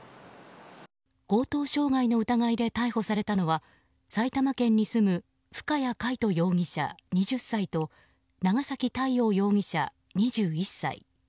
強盗傷害の疑いで逮捕されたのは埼玉県に住む深谷海斗容疑者、２０歳と長崎太陽容疑者、２１歳。